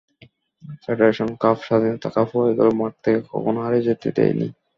Federation Cup, স্বাধীনতা Cup এগুলো মাঠ থেকে কখনো হারিয়ে যেতে দিইনি।